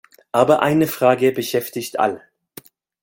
Aber eine Frage beschäftigt alle.